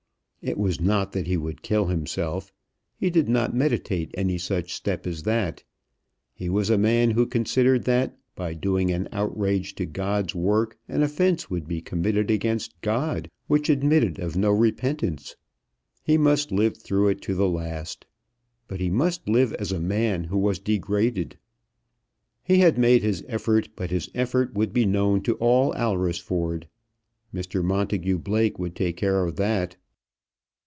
It was not that he would kill himself. He did not meditate any such step as that. He was a man who considered that by doing an outrage to God's work an offence would be committed against God which admitted of no repentance. He must live through it to the last. But he must live as a man who was degraded. He had made his effort, but his effort would be known to all Alresford. Mr Montagu Blake would take care of that.